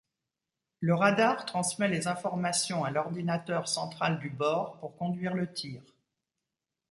Le radar transmet les informations à l'ordinateur central du bord pour conduire le tir.